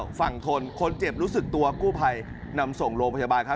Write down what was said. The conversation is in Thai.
ฝั่งทนคนเจ็บรู้สึกตัวกู้ภัยนำส่งโรงพยาบาลครับ